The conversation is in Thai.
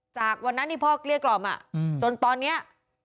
จากวันนั้นพ่อกรีวรอบมาจนตอนเนี่ย